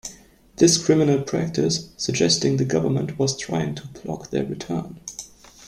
This criminal practice suggesting the government was trying to block their return.